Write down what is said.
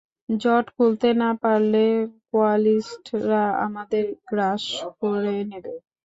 জট খুলতে না পারলে কোয়ালিস্টরা আমাদের গ্রাস করে নেবে।